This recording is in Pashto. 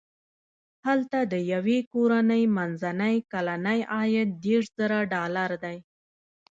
هلته د یوې کورنۍ منځنی کلنی عاید دېرش زره ډالر دی.